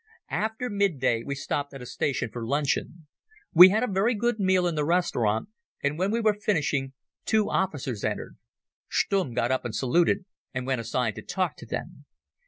After midday we stopped at a station for luncheon. We had a very good meal in the restaurant, and when we were finishing two officers entered. Stumm got up and saluted and went aside to talk to them.